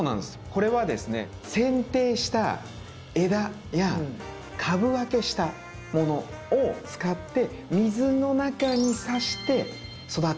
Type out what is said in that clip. これはですねせん定した枝や株分けしたものを使って水の中に挿して育てる。